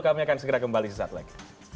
kami akan segera kembali sesaat lagi